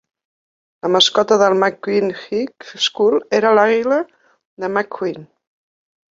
La mascota de la McCune High School era l'Àliga de McCune.